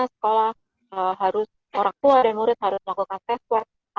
sekolah harus orang tua dan murid harus melakukan tes swab